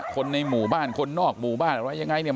คนในหมู่บ้านคนนอกหมู่บ้านอะไรยังไงเนี่ย